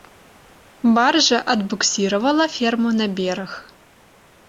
Баржа адбуксіравала ферму на бераг.